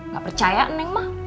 gak percaya neng mah